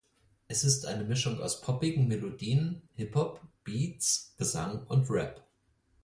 Es ist eine Mischung aus poppigen Melodien, Hip-Hop-Beats, Gesang und Rap.